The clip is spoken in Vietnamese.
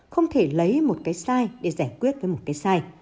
không thể lấy một cái sai để giải quyết với một cái sai